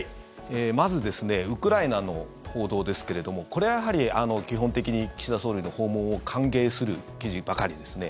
まずですねウクライナの報道ですけれどもこれはやはり基本的に岸田総理の訪問を歓迎する記事ばかりですね。